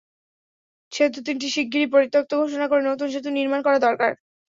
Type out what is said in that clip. সেতু তিনটি শিগগিরই পরিত্যক্ত ঘোষণা করে নতুন সেতু নির্মাণ করা দরকার।